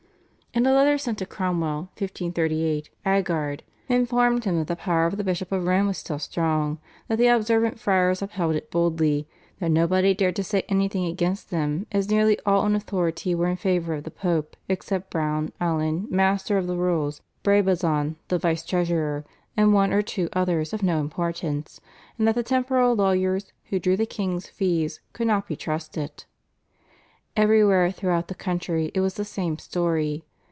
" In a letter sent to Cromwell (1538) Agarde informed him that the power of the Bishop of Rome was still strong, that the Observant Friars upheld it boldly, that nobody dared to say anything against them as nearly all in authority were in favour of the Pope except Browne, Alen, Master of the Rolls, Brabazon the Vice Treasurer, and one or two others of no importance, and that the temporal lawyers who drew the king's fees could not be trusted. Everywhere throughout the country it was the same story.